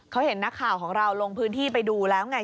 เขาเห็นนักข่าวของเราลงพื้นที่ไปดูแล้วไง